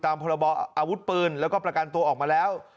พรบออาวุธปืนแล้วก็ประกันตัวออกมาแล้ว